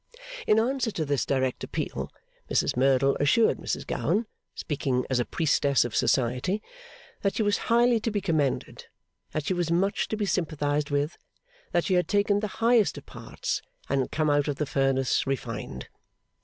In answer to this direct appeal, Mrs Merdle assured Mrs Gowan (speaking as a Priestess of Society) that she was highly to be commended, that she was much to be sympathised with, that she had taken the highest of parts, and had come out of the furnace refined.